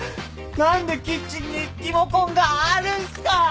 何でキッチンにリモコンがあるんすか！？